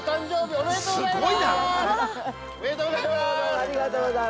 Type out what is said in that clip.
◆ありがとうございます。